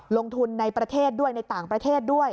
ลงทุนในประเทศด้วยในต่างประเทศด้วย